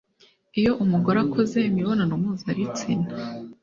iyo umugore akoze imibonano mpuzabitsina,